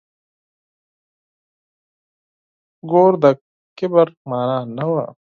ګور د کبر مانا نه وه.